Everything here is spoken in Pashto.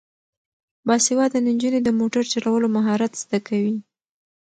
باسواده نجونې د موټر چلولو مهارت زده کوي.